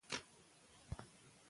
ټولنیز ملاتړ د ځوانانو لپاره مهم دی.